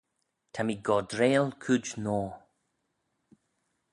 Ta mee gordrail cooid noa.